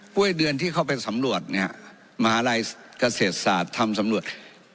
้วยเดือนที่เข้าไปสำรวจเนี่ยมหาลัยเกษตรศาสตร์ทำสำรวจ